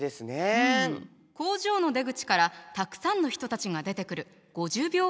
うん工場の出口からたくさんの人たちが出てくる５０秒ほどの映画だったの。